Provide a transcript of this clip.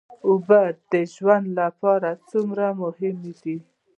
اوبه د ژوند لپاره څومره مهمې دي